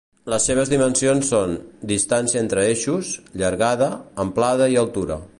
Les seves dimensions són: distancia entre eixos, llargada, amplada i altura.